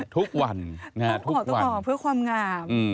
ทุกวันทุกวันอ๋อเพื่อความงาม